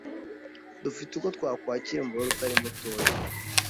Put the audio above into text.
dufite uko twakwakira umubare utari mutoya